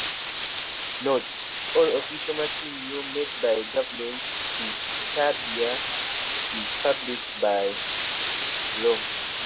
"Note: "All official material made by Government of Serbia is public by law.